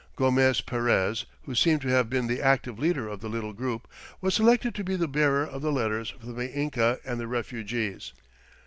Gomez Perez, who seems to have been the active leader of the little group, was selected to be the bearer of the letters from the Inca and the refugees.